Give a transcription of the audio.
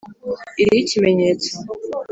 iriho ikimenyetso.